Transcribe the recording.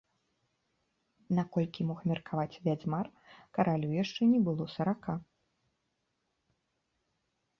Наколькі мог меркаваць вядзьмар, каралю яшчэ не было сарака.